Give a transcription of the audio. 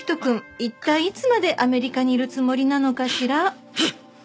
一体いつまでアメリカにいるつもりなのかしら？